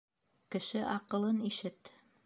Кеше аҡылын ишет